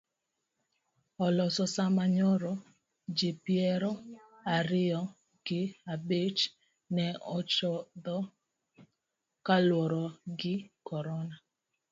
Oloso sama nyoro ji piero ariyo gi abich ne otho kaluwore gi korona.